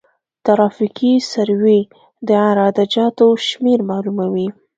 ترافیکي سروې د عراده جاتو شمېر معلوموي